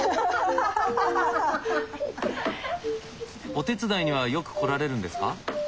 お手伝いにはよく来られるんですか？